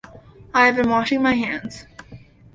I have been washing my hands.